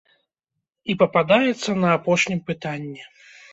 І пападаецца на апошнім пытанні.